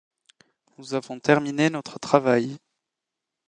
Nous avons terminé notre travail.